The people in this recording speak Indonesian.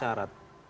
belum memenuhi syarat